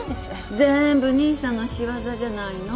全部兄さんの仕業じゃないの？